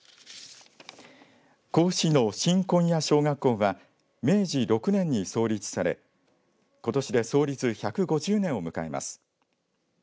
甲府市の新紺屋小学校は明治６年に創立されことしで創立１５０年を迎えます。